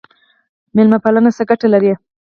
میلمه پالنه څه ګټه لري؟